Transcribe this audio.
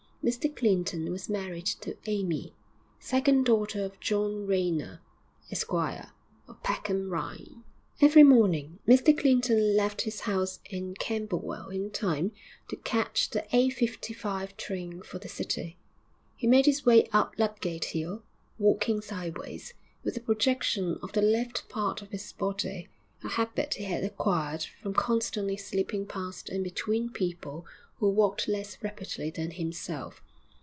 Mr Clinton was married to Amy, second daughter of John Rayner, Esquire, of Peckham Rye.... II Every morning Mr Clinton left his house in Camberwell in time to catch the eight fifty five train for the city. He made his way up Ludgate Hill, walking sideways, with a projection of the left part of his body, a habit he had acquired from constantly slipping past and between people who walked less rapidly than himself.